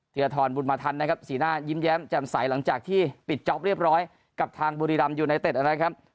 ธีรทรบุญมาทันนะครับสีหน้ายิ้มแย้มแจ่มใสหลังจากที่ปิดจ๊อปเรียบร้อยกับทางบุรีรำยูไนเต็ดนะครับ